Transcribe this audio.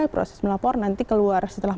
proses melapor nanti keluar setelah